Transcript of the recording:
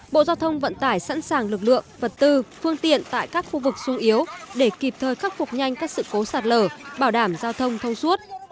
bộ giao thông vận tải sẵn sàng lực lượng vật tư phương tiện tại các khu vực sung yếu để kịp thời khắc phục nhanh các sự cố sạt lở bảo đảm giao thông thông suốt